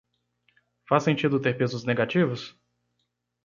Faz sentido ter pesos negativos?